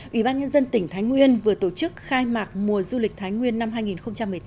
ủy ban nhân dân tỉnh thái nguyên vừa tổ chức khai mạc mùa du lịch thái nguyên năm hai nghìn một mươi tám